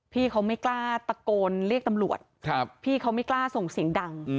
พี่เขาไม่กล้าตะโกนเรียกตำรวจพี่เขาไม่กล้าส่งเสียงดัง